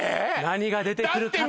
何が出てくるか？